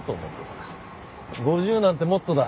５０なんてもっとだ。